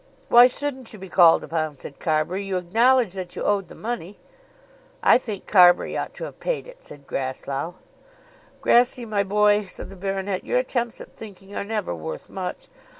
"Why shouldn't you be called upon?" said Carbury. "You acknowledge that you owe the money." "I think Carbury ought to have paid it," said Grasslough. "Grassy, my boy," said the baronet, "your attempts at thinking are never worth much.